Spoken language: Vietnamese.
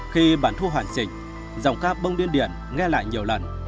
khi bản thu hoàn chỉnh giọng ca bông điên điển nghe lại nhiều lần